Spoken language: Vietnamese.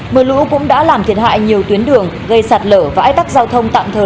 mưa lũ cũng đã làm thiệt hại nhiều tuyến đường gây sạt lở và ách tắc giao thông tạm thời